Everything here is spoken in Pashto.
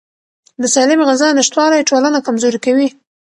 د سالمې غذا نشتوالی ټولنه کمزوري کوي.